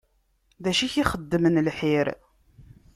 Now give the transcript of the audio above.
Dacu i ak-d-ixeddmen lḥir?